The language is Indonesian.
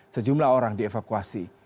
sejumlah orang dievakuasi